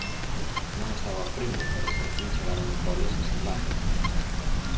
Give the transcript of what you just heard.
Non estaba Primo pero por fin chegaron os goles a San Lázaro.